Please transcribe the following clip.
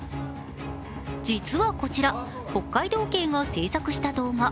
実はこちら、北海道警が制作した動画。